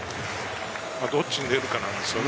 どっちに出るかなんです。